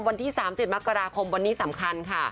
วันที่๓๐มกราคมวันนี้สำคัญค่ะ